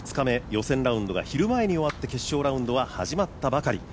予選ラウンドが昼前に終わって決勝ラウンドは始まったばかり。